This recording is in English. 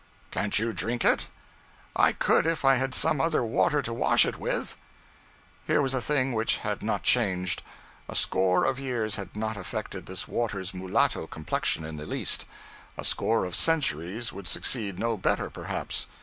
'Can't you drink it?' 'I could if I had some other water to wash it with.' Here was a thing which had not changed; a score of years had not affected this water's mulatto complexion in the least; a score of centuries would succeed no better, perhaps.